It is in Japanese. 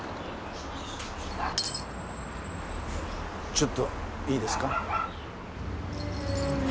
ちょっといいですか？